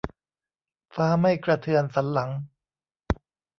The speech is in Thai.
ฟ้าไม่กระเทือนสันหลัง